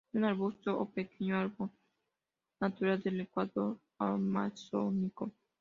Es un arbusto o pequeño árbol natural del Ecuador amazónico.